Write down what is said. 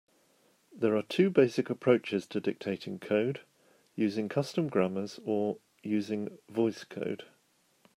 There are two basic approaches to dictating code: using custom grammars or using VoiceCode.